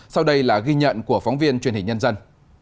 sau đây là ghi nhận của phóng viên truyền hình nhân dân